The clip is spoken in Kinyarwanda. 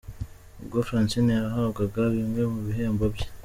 Ubwo Francine yahabwaga bimwe mu bihembo bye.